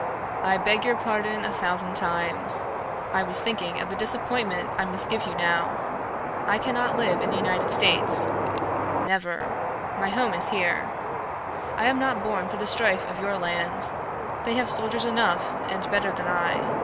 "I beg your pardon a thousand times. I was thinking of the disappointment I must give you now. I cannot live in the United States never. My home is here. I am not born for the strife of your land. They have soldiers enough and better than I.